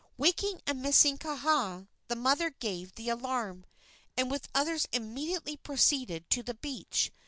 Waking and missing Kaha, the mother gave the alarm, and with others immediately proceeded to the beach.